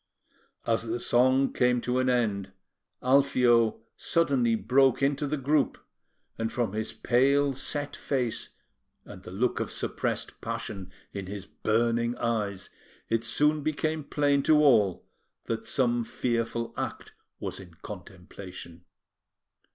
As the song came to an end, Alfio suddenly broke into the group; and from his pale, set face, and the look of suppressed passion in his burning eyes, it soon became plain to all that some fearful act was in contemplation.